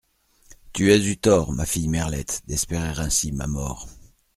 Tu as eu tort, ma fille Merlette, d’espérer ainsi ma mort.